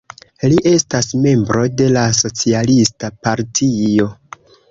Li estas membro de la Socialista Partio.